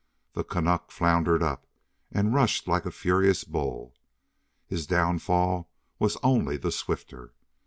The Canuck floundered up and rushed like a furious bull. His downfall was only the swifter.